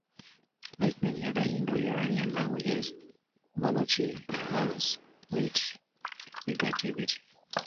Like many other Indo-Iranian languages, Balochi has split ergativity.